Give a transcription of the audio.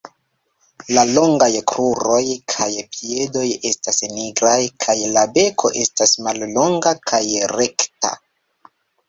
La longaj kruroj kaj piedoj estas nigraj kaj la beko estas mallonga kaj rekta.